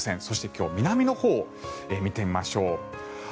そして今日南のほうを見てみましょう。